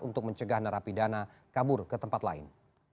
untuk mencegah narapidana kabur ke tempat lain